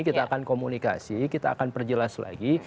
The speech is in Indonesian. kita akan komunikasi kita akan perjelas lagi